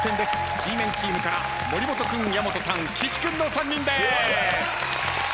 Ｇメンチームから森本君矢本さん岸君の３人。